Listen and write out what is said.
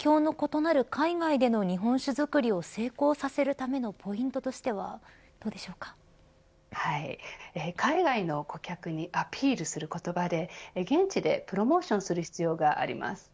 環境の異なる海外での日本酒造りを成功させるためのポイントとしては海外の顧客にアピールする言葉で現地でプロモーションをする必要があります。